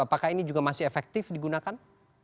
apakah ini juga masih efektif digunakan